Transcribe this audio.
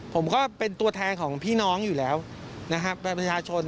ผมก็เป็นตัวแทนของพี่น้องอยู่แล้วนะครับประชาชน